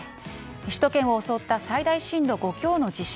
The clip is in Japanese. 首都圏を襲った最大震度５強の地震。